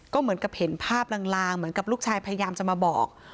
ก็เหมือนกับเห็นภาพลางเหมือนกับลูกชายพยายามจะมาบอก